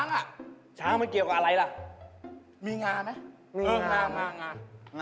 ช้างน่ะช้างมันเกี่ยวกับอะไรล่ะมีงาไหมมีงา